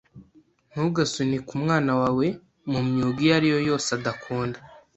Ntugasunike umwana wawe mumyuga iyo ari yo yose adakunda.